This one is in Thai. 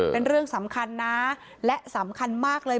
เป็นเรื่องสำคัญนะและสำคัญมากเลย